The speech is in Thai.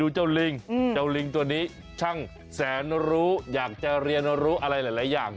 เจ้าลิงเจ้าลิงตัวนี้ช่างแสนรู้อยากจะเรียนรู้อะไรหลายอย่าง